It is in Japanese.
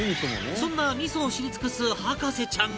そんな味噌を知り尽くす博士ちゃんが